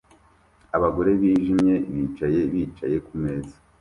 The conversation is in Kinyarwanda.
Abagore bijimye bicaye bicaye kumeza